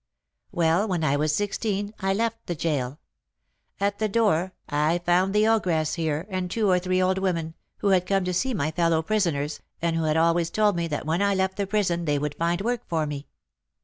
Well, when I was sixteen, I left the gaol. At the door, I found the ogress here, and two or three old women, who had come to see my fellow prisoners, and who had always told me that when I left the prison they would find work for me."